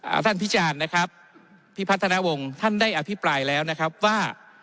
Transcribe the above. ท่านพิจารณ์นะครับพิพัฒนาวงศ์ท่านได้อภิปรายแล้วนะครับว่า